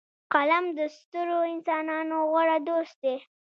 قلم د سترو انسانانو غوره دوست دی